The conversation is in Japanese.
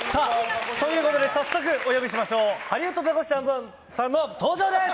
早速お呼びしましょうハリウッドザコシショウさんの登場です！